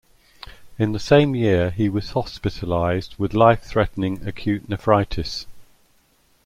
In the same year he was hospitalized with life-threatening acute nephritis.